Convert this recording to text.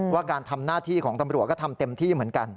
ว่าการทำหน้าที่ของตำรวจก็ทำเต็มที่เหมือนกัน